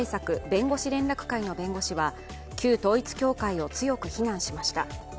弁護士連絡会の弁護士は旧統一教会を強く非難しました。